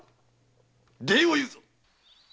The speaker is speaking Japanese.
礼を言うぞ！